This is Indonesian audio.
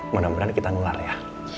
mudah mudahan kita nular ya